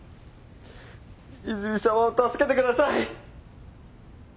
泉さまを助けてください。